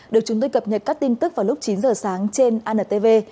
được chúng tôi cập nhật các tin tức vào lúc chín giờ sáng trên antv